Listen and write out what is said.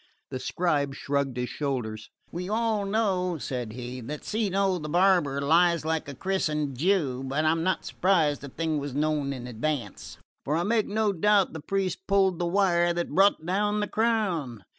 The scribe shrugged his shoulders. "We all know," said he, "that Cino the barber lies like a christened Jew; but I'm not surprised the thing was known in advance, for I make no doubt the priests pulled the wires that brought down the crown."